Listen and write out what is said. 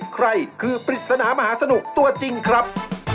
ใครคือปริศนามหาสนุกตัวจริงครับ